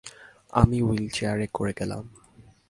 আমি হুইল চেয়ারে করে গেলাম।